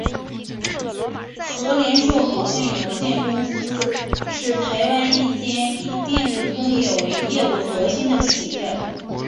禾联硕股份有限公司是台湾一间以电子工业为业务核心的企业。